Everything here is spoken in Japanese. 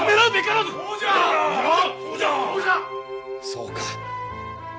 そうか。